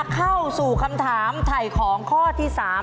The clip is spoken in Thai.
เข้าสู่คำถามไถ่ของข้อที่๓